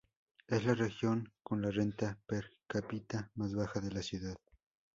Es la región con la renta per capita más baja de la ciudad.